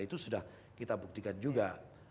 itu sudah kita buktikan juga